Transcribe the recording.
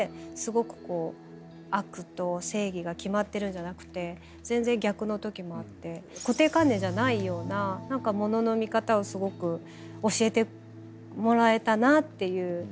ごくこう悪と正義が決まってるんじゃなくて全然逆の時もあって固定観念じゃないような何か物の見方をすごく教えてもらえたなっていう。